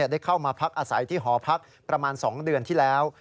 ได้เข้ามาพักอาศัยที่หอพักประมาณ๒เดือนที่แล้ว